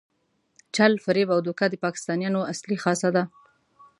چل، فریب او دوکه د پاکستانیانو اصلي خاصه ده.